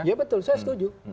ya betul saya setuju